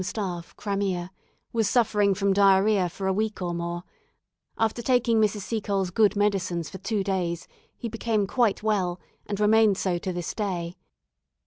Staff, Crimea, was suffering from diarrhoea for a week or more; after taking Mrs. Seacole's good medicines for two days, he became quite well, and remained so to this day.